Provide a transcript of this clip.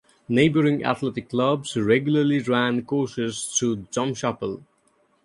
Neighbouring athletic clubs regularly ran courses through Drumchapel.